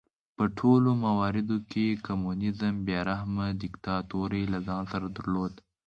په ټولو مواردو کې کمونېزم بې رحمه دیکتاتورۍ له ځان سره درلود.